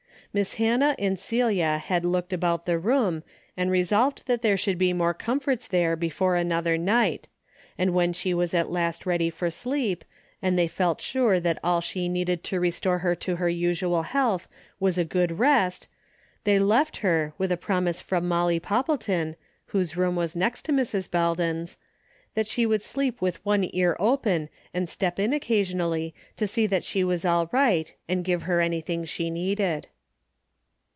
Miss Hannah and Celia had looked about the room and resolved that there should be more comforts there before another night, and Avhen she was at last ready for sleep, and they felt sure that all she needed to restore her to her usual health was a good rest, they left her, with a promise from Molly Poppleton, whose room was next to Mrs. Bel den's, that she would sleep with one ear open and step in occasionally to see that she was all right and give her anything she needed.